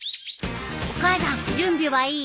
お母さん準備はいい？